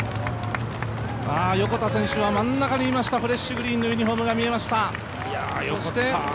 横田選手は真ん中にいました、フレッシュグリーンのユニフォームが見えました。